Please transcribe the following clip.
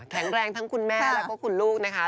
แข็งแรงทั้งคุณแม่แล้วก็คุณลูกนะคะ